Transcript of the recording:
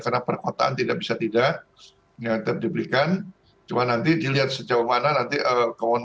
karena perkotaan tidak bisa tidak nyatap diberikan cuma nanti dilihat sejauh mana nanti keuangan